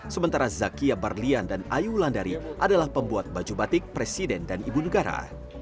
sementara zakia barlian dan ayu wulandari adalah pembuat baju batik presiden dan ibu negara